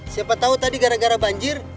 siapa tahu tadi gara gara banjir